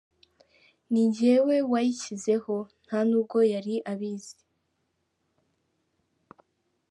Ni njyewe wayishyizeho, nta n’ubwo yari abizi.